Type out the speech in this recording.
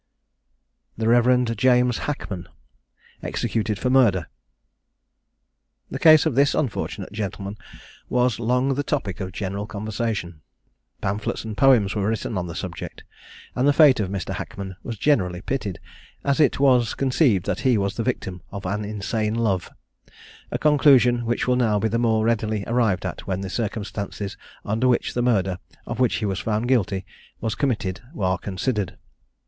THE REV. JAMES HACKMAN. EXECUTED FOR MURDER. The case of this unfortunate gentleman was long the topic of general conversation. Pamphlets and poems were written on the subject; and the fate of Mr. Hackman was generally pitied, as it was conceived that he was the victim of an insane love a conclusion which will now be the more readily arrived at when the circumstances under which the murder, of which he was found guilty, was committed are considered.